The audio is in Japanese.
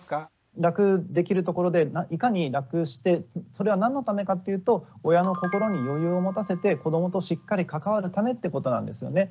楽できるところでいかに楽してそれは何のためかっていうと親の心に余裕を持たせて子どもとしっかり関わるためってことなんですよね。